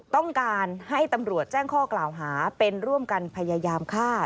ต้องการให้ตำรวจแจ้งข้อกล่าวหาเป็นร่วมกันพยายามฆ่า